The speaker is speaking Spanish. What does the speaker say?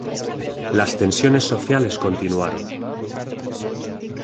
Las tensiones sociales continuaron.